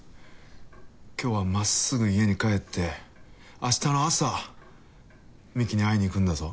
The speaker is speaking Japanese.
今日は真っすぐ家に帰ってあしたの朝美紀に会いに行くんだぞ。